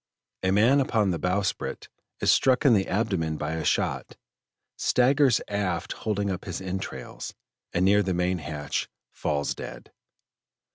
A man upon the bowsprit is struck in the abdomen by a shot, staggers aft holding up his entrails, and near the main hatch falls dead.